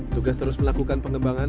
tugas terus melakukan pengembangan